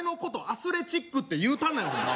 アスレチックって言うたんなよ